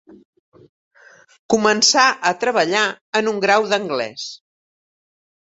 Començà a treballar en un grau d'anglès.